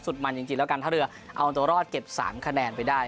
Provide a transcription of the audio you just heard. สุดมันจริงแล้วการท่าเรือเอาตัวรอดเก็บ๓คะแนนไปได้